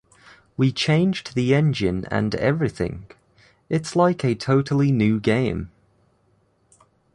We changed the engine and everything, it's like a totally new game.